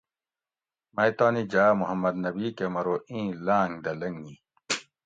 می تانے جاۤ محمد نبی کہ مرو ایں لاۤنگ دہ لنگی